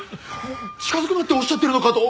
近づくなっておっしゃってるのかと。